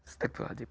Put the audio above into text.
setiap satu lagi